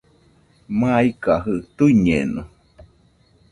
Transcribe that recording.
Maikajɨ tuiñeno